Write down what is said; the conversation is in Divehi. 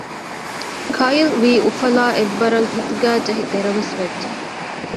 ކައިލް ވީ އުފަލާ އެއްވަރަށް ހިތުގައިޖެހި ދެރަވެސް ވެއްޖެ